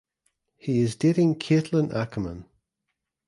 He is dating Caitlin Akeman.